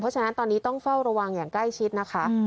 เพราะฉะนั้นตอนนี้ต้องเฝ้าระวังอย่างใกล้ชิดนะคะ